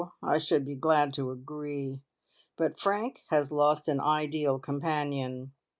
I should be glad to agree, but Frank has lost an ideal companion.